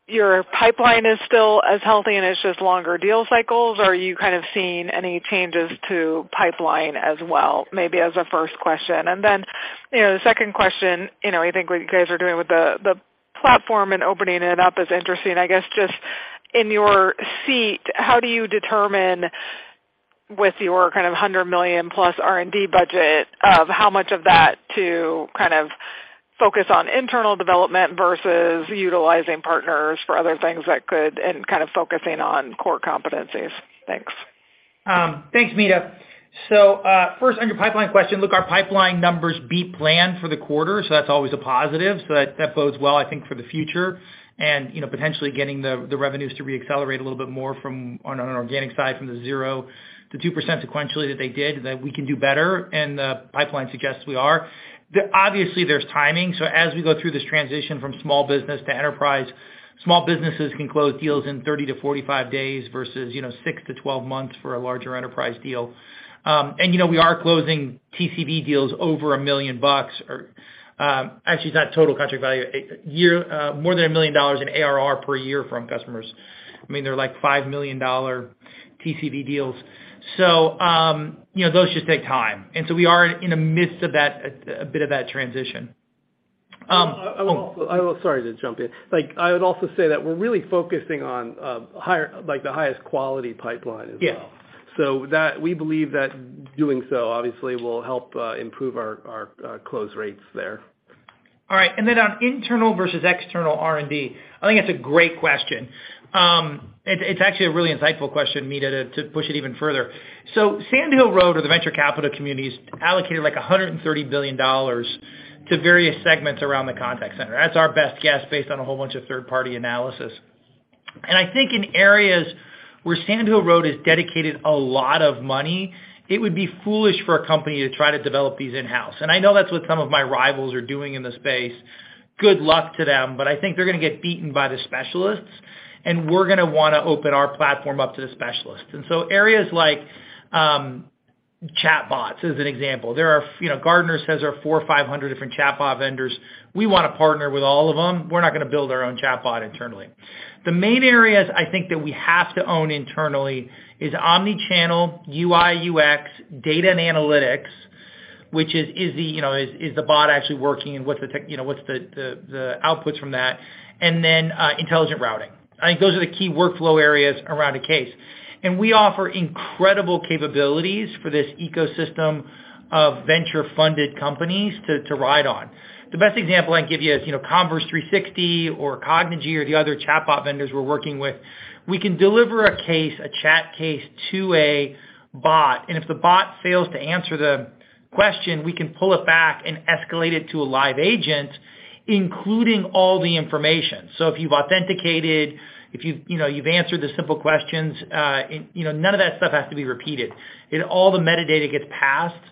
your pipeline is still as healthy, and it's just longer deal cycles, or are you kind of seeing any changes to pipeline as well? Maybe as a first question. You know, the second question, you know, I think what you guys are doing with the platform and opening it up is interesting. I guess just in your seat, how do you determine with your kind of $100 million+ R&D budget of how much of that to kind of focus on internal development versus utilizing partners for other things that could and kind of focusing on core competencies? Thanks. Thanks, Meta. First on your pipeline question, look, our pipeline numbers beat plan for the quarter, so that's always a positive. That, that bodes well, I think, for the future and, you know, potentially getting the revenues to reaccelerate a little bit more from on an organic side from the 0%-2% sequentially that they did, that we can do better, and the pipeline suggests we are. Obviously, there's timing. As we go through this transition from small business to enterprise, small businesses can close deals in 30-45 days versus, you know, 6 months-12 months for a larger enterprise deal. You know, we are closing TCV deals over $1 million or, actually it's not total contract value. A year, more than $1 million in ARR per year from customers. I mean, they're like $5 million TCV deals. You know, those just take time. We are in the midst of that, a bit of that transition. sorry to jump in. Like, I would also say that we're really focusing on higher, like, the highest quality pipeline as well. Yeah. We believe that doing so obviously will help improve our close rates there. All right. On internal versus external R&D, I think that's a great question. It's actually a really insightful question, Meta, to push it even further. Sand Hill Road or the venture capital communities allocated like $130 billion to various segments around the contact center. That's our best guess based on a whole bunch of third-party analysis. I think in areas where Sand Hill Road has dedicated a lot of money, it would be foolish for a company to try to develop these in-house. I know that's what some of my rivals are doing in the space. Good luck to them. I think they're gonna get beaten by the specialists, and we're gonna wanna open our platform up to the specialists. Areas like chatbots, as an example. There are, you know, Gartner says there are 400 or 500 different chatbot vendors. We wanna partner with all of them. We're not gonna build our own chatbot internally. The main areas I think that we have to own internally is omni-channel, UI/UX, data and analytics, which is, you know, is the bot actually working and what the, you know, what's the outputs from that, and then intelligent routing. I think those are the key workflow areas around a case. We offer incredible capabilities for this ecosystem of venture-funded companies to ride on. The best example I can give you is, you know, converse360 or Cognigy or the other chatbot vendors we're working with. We can deliver a case, a chat case to a bot, and if the bot fails to answer the question, we can pull it back and escalate it to a live agent, including all the information. If you've authenticated, if you've, you know, you've answered the simple questions, you know, none of that stuff has to be repeated. All the metadata gets passed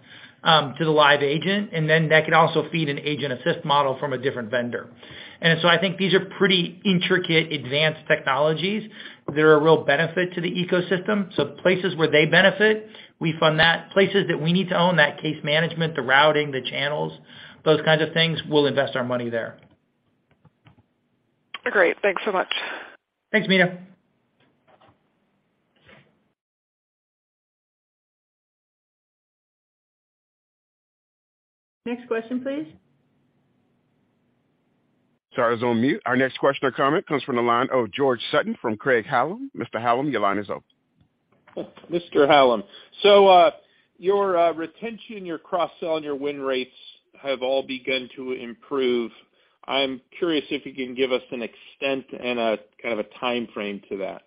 to the live agent, and then that can also feed an agent assist model from a different vendor. I think these are pretty intricate advanced technologies. They're a real benefit to the ecosystem. Places where they benefit, we fund that. Places that we need to own that case management, the routing, the channels, those kinds of things, we'll invest our money there. Great. Thanks so much. Thanks, Mita. Next question, please. Sorry, I was on mute. Our next question or comment comes from the line of George Sutton from Craig-Hallum. Mr. Sutton, your line is open. Mr. Hallum. Your retention, your cross-sell, and your win rates have all begun to improve. I'm curious if you can give us an extent and a kind of a timeframe to that.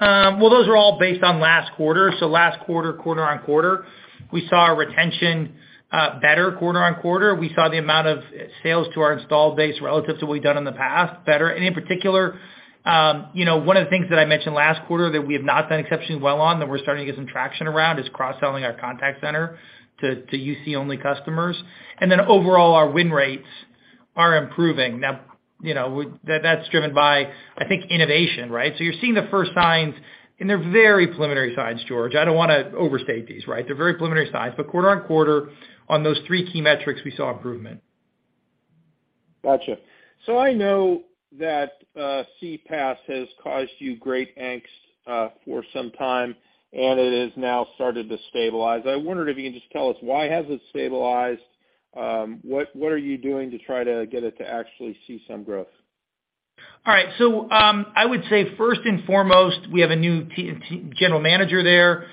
Well, those are all based on last quarter. Last quarter-on-quarter, we saw our retention better quarter-on-quarter. We saw the amount of sales to our installed base relative to what we've done in the past, better. In particular, you know, one of the things that I mentioned last quarter that we have not done exceptionally well on that we're starting to get some traction around is cross-selling our contact center to UC-only customers. Overall, our win rates are improving. Now, you know, that's driven by, I think, innovation, right? You're seeing the first signs, and they're very preliminary signs, George. I don't wanna overstate these, right? They're very preliminary signs, quarter-on-quarter on those three key metrics, we saw improvement. Gotcha. I know that CPaaS has caused you great angst for some time, and it has now started to stabilize. I wondered if you can just tell us why has it stabilized? What are you doing to try to get it to actually see some growth? All right. I would say first and foremost, we have a new general manager there.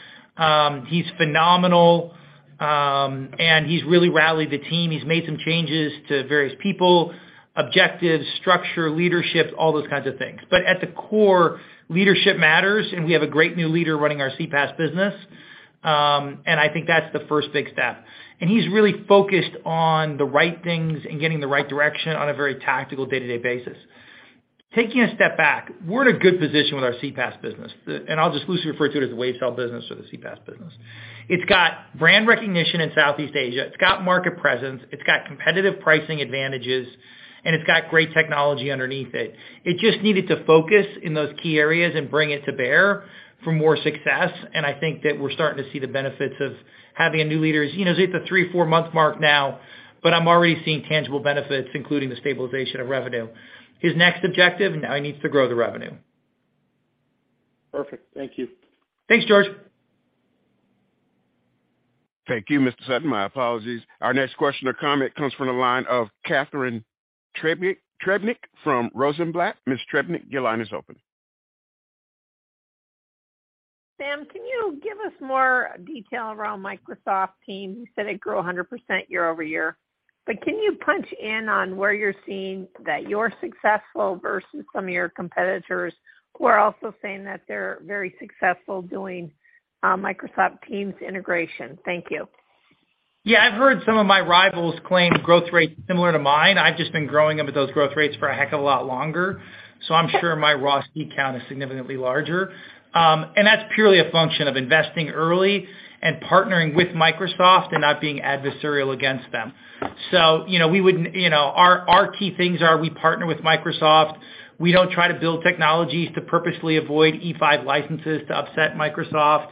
He's phenomenal, and he's really rallied the team. He's made some changes to various people, objectives, structure, leadership, all those kinds of things. At the core, leadership matters, and we have a great new leader running our CPaaS business. I think that's the first big step. He's really focused on the right things and getting the right direction on a very tactical day-to-day basis. Taking a step back, we're in a good position with our CPaaS business, and I'll just loosely refer to it as the Wavecell business or the CPaaS business. It's got brand recognition in Southeast Asia. It's got market presence, it's got competitive pricing advantages, and it's got great technology underneath it. It just needed to focus in those key areas and bring it to bear for more success, and I think that we're starting to see the benefits of having a new leader. You know, it's a 3-4 month mark now, but I'm already seeing tangible benefits, including the stabilization of revenue. His next objective, now he needs to grow the revenue. Perfect. Thank you. Thanks, George. Thank you, Mr. Sutton. My apologies. Our next question or comment comes from the line of Catherine Trebnick from Rosenblatt. Ms. Trebnick, your line is open. Sam, can you give us more detail around Microsoft Teams? You said it grew 100% year-over-year, but can you punch in on where you're seeing that you're successful versus some of your competitors who are also saying that they're very successful doing Microsoft Teams integration? Thank you. Yeah. I've heard some of my rivals claim growth rates similar to mine. I've just been growing them at those growth rates for a heck of a lot longer. I'm sure my raw seat count is significantly larger. That's purely a function of investing early and partnering with Microsoft and not being adversarial against them. You know, our key things are we partner with Microsoft. We don't try to build technologies to purposely avoid E5 licenses to upset Microsoft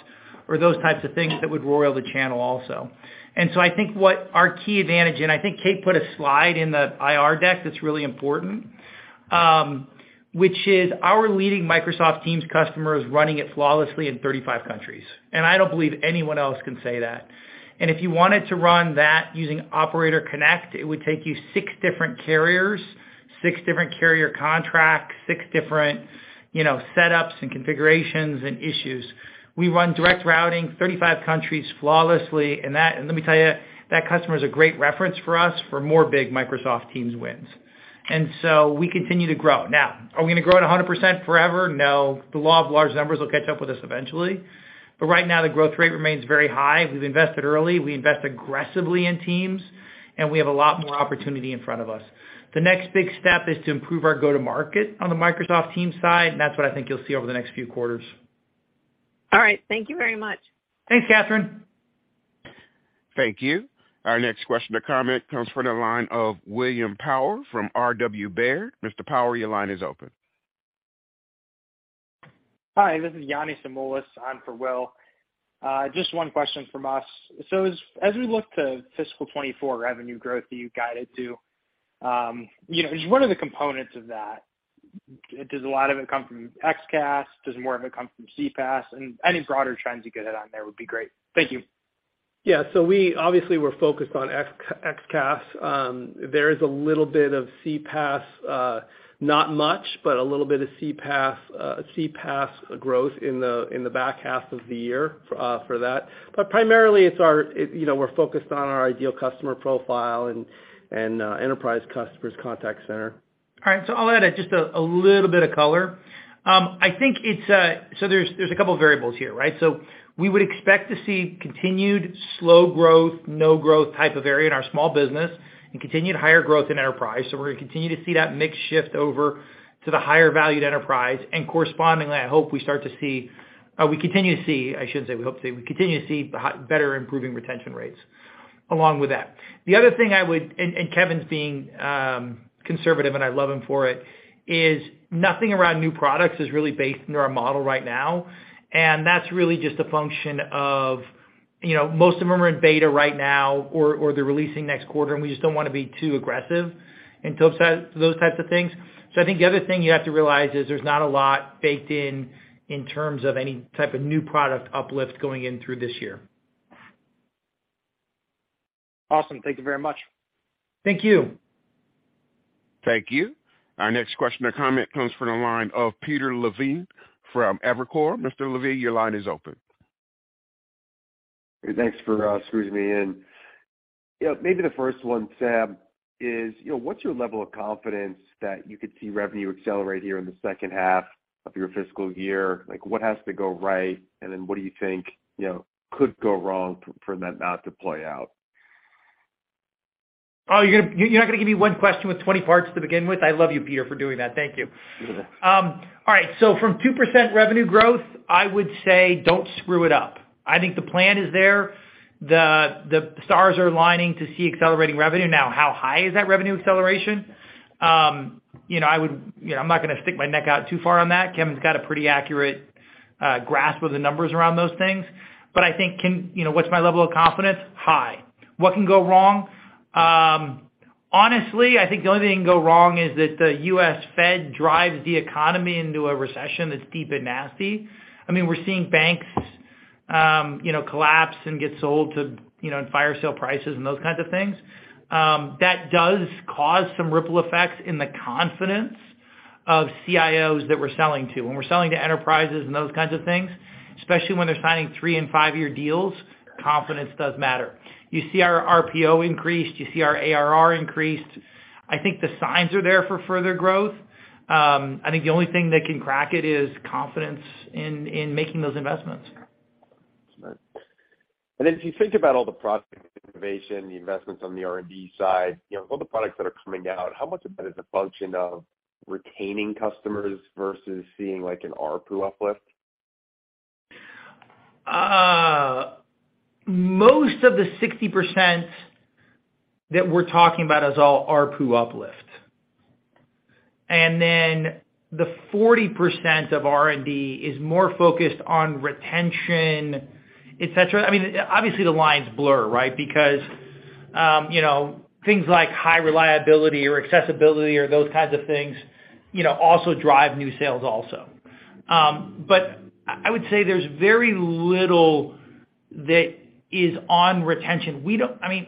or those types of things that would roil the channel also. I think what our key advantage, and I think Kate put a slide in the IR deck that's really important, which is our leading Microsoft Teams customer is running it flawlessly in 35 countries, and I don't believe anyone else can say that. If you wanted to run that using Operator Connect, it would take you six different carriers, six different carrier contracts, six different, you know, setups and configurations and issues. We run Direct Routing, 35 countries flawlessly, let me tell you, that customer is a great reference for us for more big Microsoft Teams wins. We continue to grow. Now, are we gonna grow at 100% forever? No. The law of large numbers will catch up with us eventually. Right now, the growth rate remains very high. We've invested early. We invest aggressively in Teams, and we have a lot more opportunity in front of us. The next big step is to improve our go-to-market on the Microsoft Teams side, and that's what I think you'll see over the next few quarters. All right. Thank you very much. Thanks, Catherine. Thank you. Our next question or comment comes from the line of William Power from R.W. Baird. Mr. Power, your line is open. Hi, this is Yanni Samoilis. I'm for Will. Just one question from us. As we look to fiscal 2024 revenue growth that you've guided to, you know, one of the components of that, does a lot of it come from XCaaS? Does more of it come from CPaaS? Any broader trends you could add on there would be great. Thank you. Yeah. We obviously were focused on XCaaS. There is a little bit of CPaaS, not much, but a little bit of CPaaS growth in the back half of the year for that. Primarily, it's our. You know, we're focused on our ideal customer profile and enterprise customers contact center. All right. I'll add just a little bit of color. I think it's. There's a couple of variables here, right? We would expect to see continued slow growth, no growth type of area in our small business and continued higher growth in enterprise. We're gonna continue to see that mix shift over to the higher valued enterprise. Correspondingly, I hope we start to see, we continue to see, I shouldn't say we hope to see, we continue to see better improving retention rates along with that. The other thing I would. Kevin's being conservative, and I love him for it, is nothing around new products is really baked into our model right now. That's really just a function of, you know, most of them are in beta right now or they're releasing next quarter, we just don't wanna be too aggressive in terms of those types of things. I think the other thing you have to realize is there's not a lot baked in terms of any type of new product uplift going in through this year. Awesome. Thank you very much. Thank you. Thank you. Our next question or comment comes from the line of Peter Levine from Evercore. Mr. Levine, your line is open. Thanks for squeezing me in. Yeah, maybe the first one, Sam, is, you know, what's your level of confidence that you could see revenue accelerate here in the second half of your fiscal year? Like, what has to go right? What do you think, you know, could go wrong for that not to play out? You're not gonna give me one question with 20 parts to begin with? I love you, Peter, for doing that. Thank you. All right, from 2% revenue growth, I would say don't screw it up. I think the plan is there. The stars are aligning to see accelerating revenue. Now, how high is that revenue acceleration? You know, I would. You know, I'm not gonna stick my neck out too far on that. Kevin's got a pretty accurate grasp of the numbers around those things. I think. You know, what's my level of confidence? High. What can go wrong? Honestly, I think the only thing can go wrong is that the U.S. Fed drives the economy into a recession that's deep and nasty. I mean, we're seeing banks, you know, collapse and get sold to, you know, in fire sale prices and those kinds of things. That does cause some ripple effects in the confidence of CIOs that we're selling to. When we're selling to enterprises and those kinds of things, especially when they're signing three and five-year deals, confidence does matter. You see our RPO increased, you see our ARR increased. I think the signs are there for further growth. I think the only thing that can crack it is confidence in making those investments. If you think about all the product innovation, the investments on the R&D side, you know, all the products that are coming out, how much of that is a function of retaining customers versus seeing like an ARPU uplift? Most of the 60% that we're talking about is all ARPU uplift. The 40% of R&D is more focused on retention, et cetera. I mean, obviously the lines blur, right? Because, you know, things like high reliability or accessibility or those kinds of things, you know, also drive new sales also. I would say there's very little that is on retention. We don't... I mean,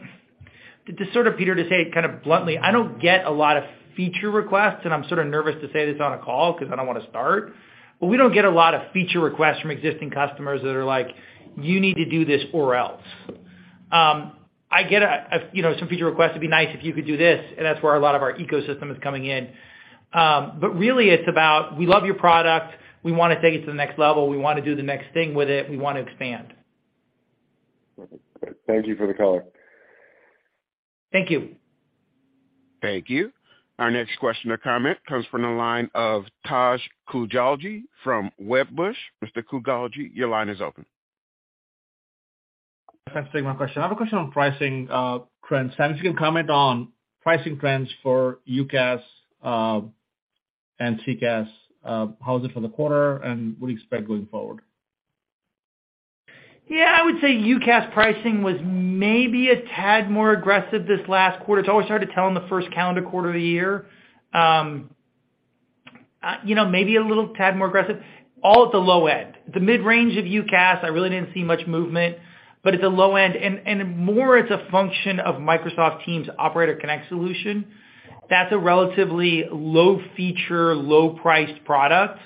to sort of, Peter, to say it kind of bluntly, I don't get a lot of feature requests, and I'm sort of nervous to say this on a call 'cause I don't wanna start, but we don't get a lot of feature requests from existing customers that are like, "You need to do this or else." I get a, you know, some feature requests, "It'd be nice if you could do this," and that's where a lot of our ecosystem is coming in. Really it's about, "We love your product. We wanna take it to the next level. We wanna do the next thing with it. We wanna expand. Thank you for the color. Thank you. Thank you. Our next question or comment comes from the line of Taj Koujalgi from Wedbush. Mr. Koujalgi, your line is open. Thanks for taking my question. I have a question on pricing, trends. Sam, if you can comment on pricing trends for UCaaS, and CCaaS, how is it for the quarter, and what do you expect going forward? Yeah, I would say UCaaS pricing was maybe a tad more aggressive this last quarter. It's always hard to tell in the first calendar quarter of the year. You know, maybe a little tad more aggressive, all at the low end. The mid-range of UCaaS, I really didn't see much movement. At the low end. More it's a function of Microsoft Teams Operator Connect solution. That's a relatively low-feature, low-priced product.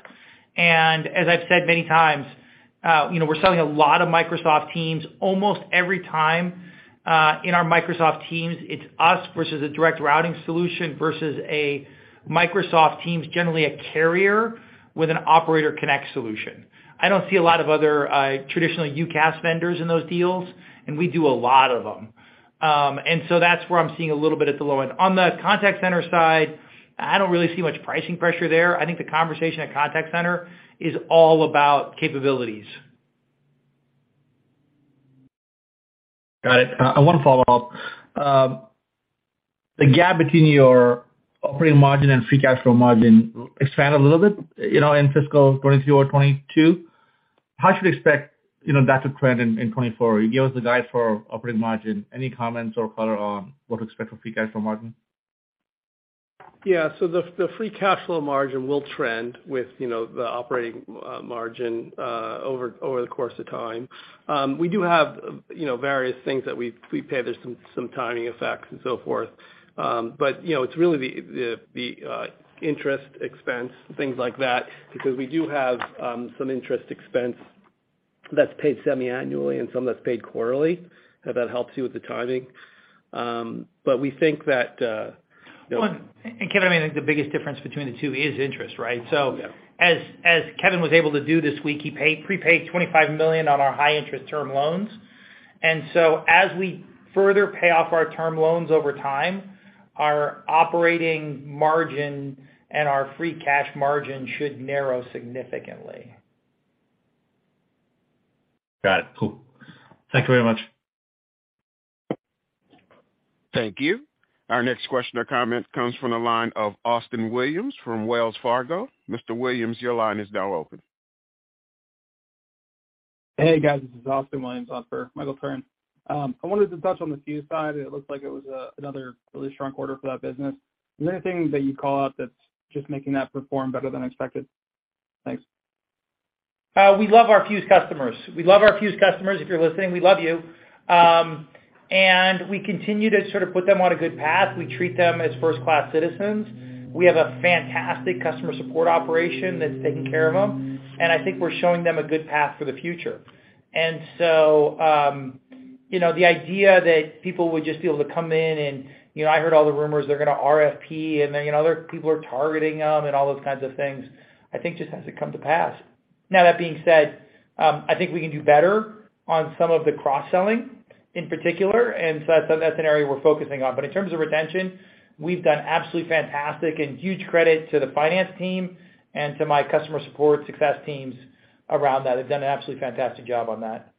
As I've said many times, you know, we're selling a lot of Microsoft Teams. Almost every time, in our Microsoft Teams, it's us versus a Direct Routing solution versus a Microsoft Teams, generally a carrier with an Operator Connect solution. I don't see a lot of other, traditionally UCaaS vendors in those deals, and we do a lot of them. That's where I'm seeing a little bit at the low end. On the contact center side, I don't really see much pricing pressure there. I think the conversation at contact center is all about capabilities. Got it. One follow-up. The gap between your operating margin and free cash flow margin expanded a little bit, you know, in fiscal 2024 or 2022. How should we expect, you know, that to trend in 2024? You gave us the guide for operating margin. Any comments or color on what to expect for free cash flow margin? Yeah. The free cash flow margin will trend with, you know, the operating margin over the course of time. We do have, you know, various things that we pay. There's some timing effects and so forth. You know, it's really the interest expense, things like that, because we do have some interest expense that's paid semi-annually and some that's paid quarterly. That helps you with the timing. We think that, you know. Well, Kevin, I mean, the biggest difference between the two is interest, right? Yeah. As Kevin was able to do this week, he prepaid $25 million on our high-interest term loans. As we further pay off our term loans over time, our operating margin and our free cash margin should narrow significantly. Got it. Cool. Thank you very much. Thank you. Our next question or comment comes from the line of Ryan MacWilliams from Wells Fargo. Mr. Williams, your line is now open. Hey, guys, this is Ryan MacWilliams on for Michael Curran. I wanted to touch on the Fuze side. It looks like it was another really strong quarter for that business. Is there anything that you'd call out that's just making that perform better than expected? Thanks. We love our Fuze customers. We love our Fuze customers. If you're listening, we love you. We continue to sort of put them on a good path. We treat them as first-class citizens. We have a fantastic customer support operation that's taking care of them, and I think we're showing them a good path for the future. You know, the idea that people would just be able to come in and. You know, I heard all the rumors they're gonna RFP, and then, you know, other people are targeting them and all those kinds of things, I think just hasn't come to pass. That being said, I think we can do better on some of the cross-selling in particular, and so that's an area we're focusing on. In terms of retention, we've done absolutely fantastic, and huge credit to the finance team and to my customer support success teams around that. They've done an absolutely fantastic job on that.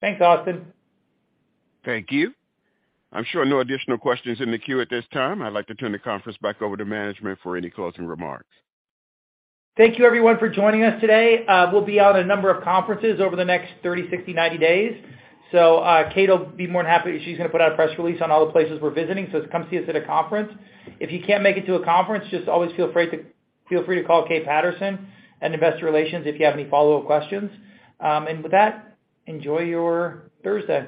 Thanks, Austin. Thank you. I'm showing no additional questions in the queue at this time. I'd like to turn the conference back over to management for any closing remarks. Thank you everyone for joining us today. We'll be on a number of conferences over the next 30, 60, 90 days. Kate will be more than happy. She's gonna put out a press release on all the places we're visiting. Come see us at a conference. If you can't make it to a conference, just always feel free to call Kate Patterson in investor relations if you have any follow-up questions. With that, enjoy your Thursday.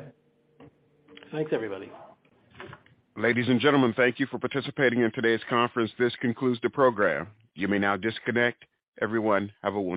Thanks, everybody. Ladies and gentlemen, thank you for participating in today's conference. This concludes the program. You may now disconnect. Everyone, have a wonderful day.